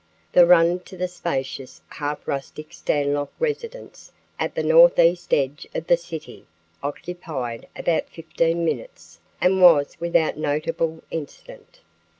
The run to the spacious, half rustic Stanlock residence at the northeast edge of the city occupied about fifteen minutes, and was without notable incident.